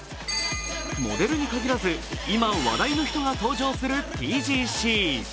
モデルに限らず、今話題の人が登場するＴＧＣ。